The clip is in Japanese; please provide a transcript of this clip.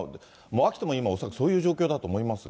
秋田も今、恐らくそういう状況だと思いますが。